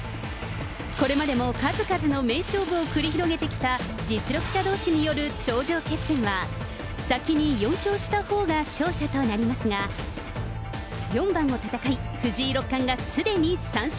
これまでも数々の名勝負を繰り広げてきた実力者どうしの頂上決戦は、先に４勝したほうが勝者となりますが、四番を戦い、藤井六冠がすでに３勝。